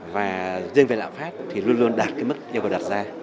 và riêng về lạng phát thì luôn luôn đạt mức yêu cầu đặt ra